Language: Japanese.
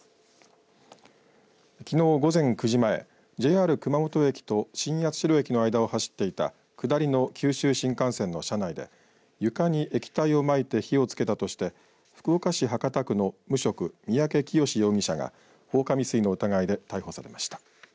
きのう午前９時前、ＪＲ熊本駅と新八代駅の間を走っていた下りの九州新幹線の車内で床に液体をまいて火をつけたとして福岡市博多区の無職、三宅潔容疑者が放火未遂の疑いで逮捕されました。